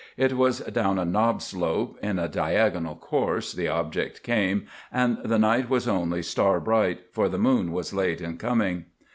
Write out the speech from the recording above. It was down a knob slope, in a diagonal course, the object came, and the night was only star bright, for the moon was late in coming.